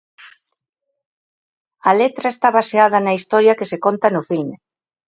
A letra está baseada na historia que se conta no filme.